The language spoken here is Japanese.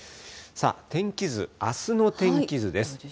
天気図、あすの天気図です。